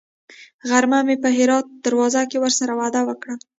غرمه مې په هرات دروازه کې ورسره وعده وکړه.